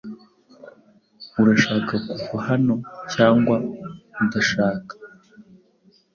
Urashaka kuva hano cyangwa udashaka?